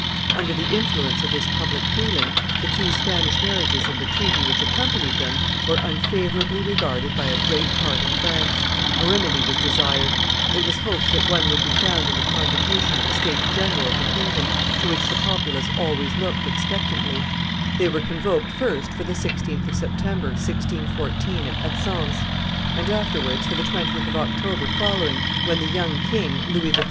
Under the influence of this public feeling, the two Spanish marriages and the treaty which accompanied them were unfavorably regarded by a great part of France: a remedy was desired; it was hoped that one would be found in the convocation of the states general of the kingdom, to which the populace always looked expectantly; they were convoked first for the 16th of September, 1614, at Sens; and, afterwards, for the 20th of October following, when the young king, Louis XIII.